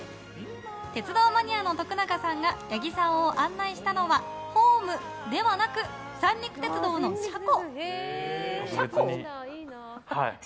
鉄道マニアの徳永さんが八木さんを案内したのはホームではなく三陸鉄道の車庫。